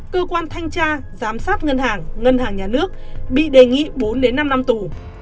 cơ quan thanh tra giám sát ngân hàng ngân hàng nhà nước bị đề nghị bốn đến năm năm tù